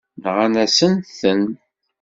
Nɣan-asent-ten.